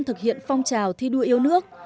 thực hiện phong trào thi đua yêu nước